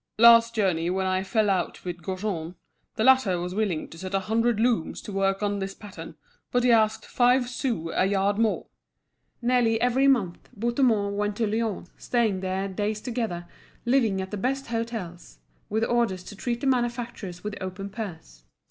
Last journey when I fell out with Gaujean, the latter was willing to set a hundred looms to work on this pattern, but he asked five sous a yard more." Nearly even month Bouthemont went to Lyons, staying there days together, living at the best hôtels, with orders to treat the manufacturers with open purse.